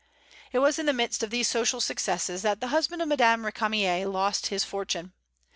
It was in the midst of these social successes that the husband of Madame Récamier lost his fortune.